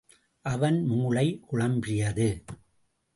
அவன் மூளை குழம்பியது.